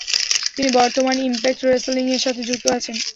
তিনি বর্তমানে Impact Wrestling এর সাথে যুক্ত আছেন।